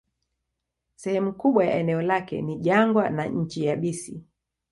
Sehemu kubwa ya eneo lake ni jangwa na nchi yabisi.